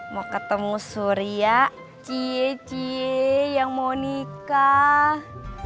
mau ketemu surya cie cie yang mau nikah